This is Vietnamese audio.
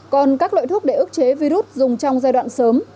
còn các loại thuốc để ức chế virus dùng trong giai đoạn sớm